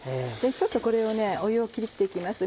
ちょっとこれを湯を切って行きます。